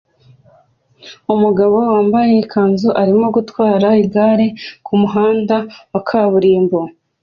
Umugabo wambaye ikanzu arimo gutwara igare kumuhanda wa kaburimbo